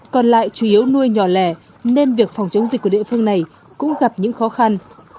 còn lại chủ yếu nuôi nhỏ lẻ nên việc phòng chống dịch của địa phương này cũng gặp những khó khăn